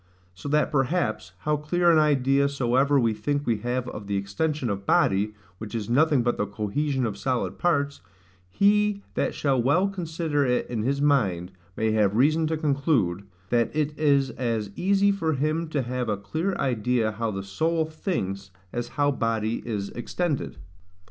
So that perhaps, how clear an idea soever we think we have of the extension of body, which is nothing but the cohesion of solid parts, he that shall well consider it in his mind, may have reason to conclude, That it is as easy for him to have a clear idea how the soul thinks as how body is extended.